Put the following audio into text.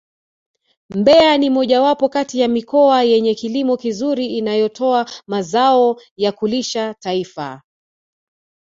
Mbeya ni mojawapo kati ya mikoa yenye kilimo kizuri inayotoa mazao ya kulisha taifa